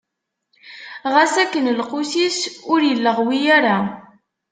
Ɣas akken, lqus-is ur illeɣwi ara.